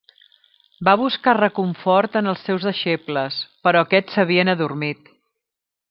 Va buscar reconfort en els seus deixebles, però aquests s'havien adormit.